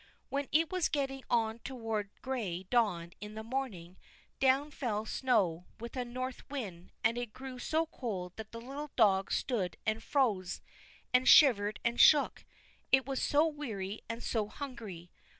When it was getting on toward gray dawn in the morning, down fell snow, with a north wind, and it grew so cold that the little dog stood and froze, and shivered and shook; it was so weary and so hungry.